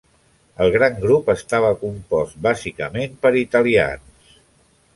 El gran grup estava compost bàsicament per italians.